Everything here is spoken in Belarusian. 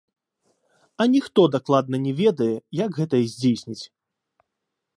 Аніхто дакладна не ведае, як гэтае здзейсніць.